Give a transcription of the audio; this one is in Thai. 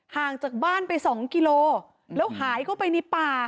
ห่างจากบ้านไป๒กิโลแล้วหายเข้าไปในป่า